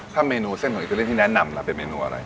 ถ้าเมนูเส้นของอิตาเลียที่แนะนำล่ะเป็นเมนูอะไร